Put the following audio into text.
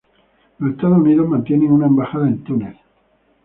Los Estados Unidos mantienen una embajada en Túnez.